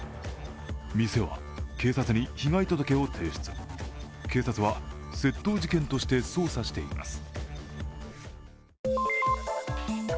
店は警察に被害届を提出、警察は窃盗事件として捜査しています。